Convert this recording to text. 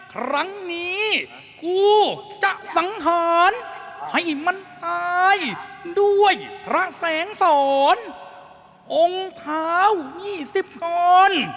ครั้งนี้กูจะสังหารให้มันตายด้วยพระแสงสอนองค์เท้า๒๐กร